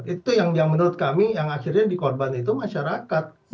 itu yang menurut kami yang akhirnya dikorban itu masyarakat